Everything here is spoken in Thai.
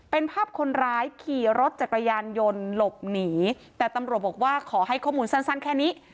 เป็นภาพคนร้ายขี่รถจักรยานยนต์หลบหนีแต่ตำรวจบอกว่าขอให้ข้อมูลสั้นสั้นแค่นี้